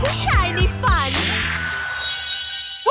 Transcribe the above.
ผู้ชายในฝัน